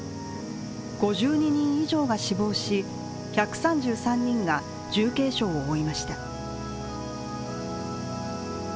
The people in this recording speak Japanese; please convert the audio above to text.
５２人以上が死亡し、１３３人が重軽傷を負いました